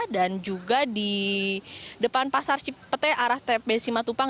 dan juga di depan pasar cipete arah tbs simatupang